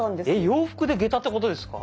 洋服で下駄ってことですか？